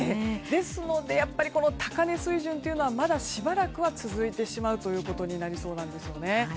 ですのでやっぱり高値水準というのはしばらくは続いてしまうということになりそうです。